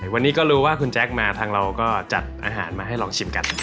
วันนี้ก็รู้ว่าคุณแจ๊คมาทางเราก็จัดอาหารมาให้ลองชิมกัน